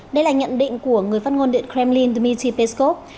đây là nhận định của người phát ngôn điện kremlin dmitry peskov